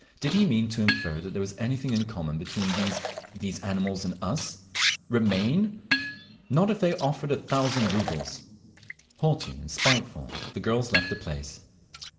Did he mean to infer that there was anything in common between these—these animals—and us? Remain? Not if they offered a thousand rubles!… Haughty and spiteful the girls left the place….